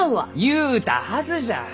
言うたはずじゃ！